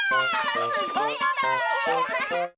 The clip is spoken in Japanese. すごいのだ！